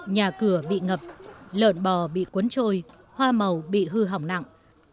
nhà cửa bị ngập lợn bò bị cuốn trôi hoa màu bị hư hỏng nặng